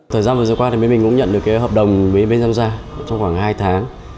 thời gian vừa qua bên mình cũng nhận được hợp đồng bên giamgia trong khoảng hai tháng